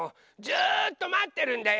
ずっとまってるんだよ。